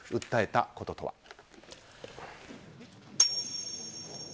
訴えたこととは。